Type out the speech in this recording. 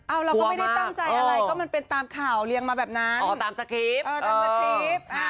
อ้าวเราก็ไม่ได้ตั้งใจอะไรก็มันเป็นตามข่าวเรียงมาแบบนั้นอ๋อตามสครีป